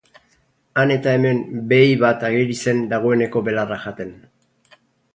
Han eta hemen behi bat ageri zen dagoeneko belarra jaten.